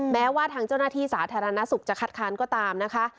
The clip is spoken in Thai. แม้ว่าทางเจ้าหน้าที่สาธารณสุขจะคัดค้านก็ตามนะคะ